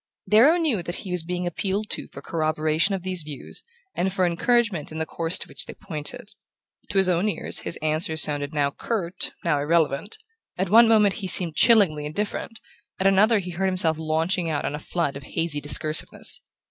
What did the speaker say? Darrow knew that he was being appealed to for corroboration of these views and for encouragement in the course to which they pointed. To his own ears his answers sounded now curt, now irrelevant: at one moment he seemed chillingly indifferent, at another he heard himself launching out on a flood of hazy discursiveness.